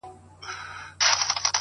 د څپو غېږته قسمت وو غورځولی،